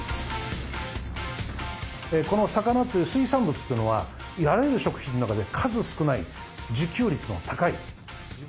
この魚という水産物というのはあらゆる食品の中で数少ない自給率の高い。